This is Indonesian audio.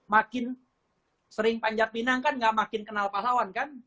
makin sering panjat pinang tidak makin kenal pahlawan kan